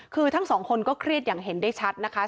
คือทั้งสองคนก็เครียดอย่างเห็นได้ชัดนะคะ